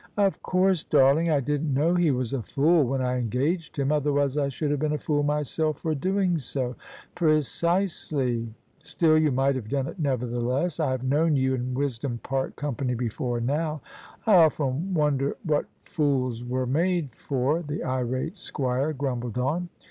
" Of course, darling, I didn't know he was a fool when I engaged him: otherwise I should have been a fool myself for doing so." " Precisely : still you might have done it nevertheless. I have known you and wisdom part company before now." " I often wonder what fools were made for," the irjate squire grumbled on.